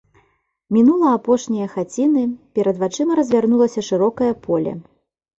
Мінула апошнія хаціны, перад вачыма развярнулася шырокае поле.